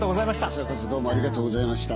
こちらこそどうもありがとうございました。